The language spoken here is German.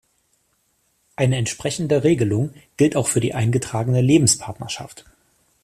Eine entsprechende Regelung gilt auch für die eingetragene Lebenspartnerschaft.